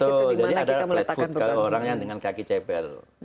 tuh jadi ada flat foot kalau orang yang dengan kaki cepel